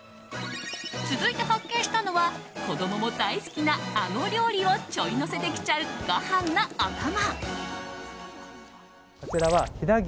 続いて発見したのは子供も大好きなあの料理をちょいのせできちゃうご飯のお供。